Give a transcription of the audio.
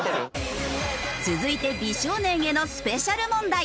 続いて美少年へのスペシャル問題。